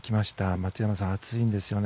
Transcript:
松山さん、暑いんですよね。